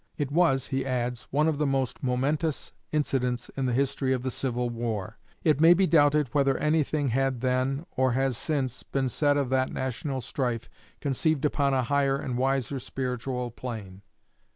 "It was," he adds, "one of the most momentous incidents in the history of the Civil War. It may be doubted whether anything had then, or has since, been said of that national strife conceived upon a higher and wiser spiritual plane....